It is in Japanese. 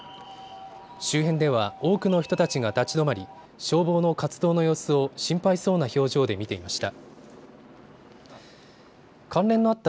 周辺では多くの人たちが立ち止まり、消防の活動の様子を心配そうな表情で見ていました。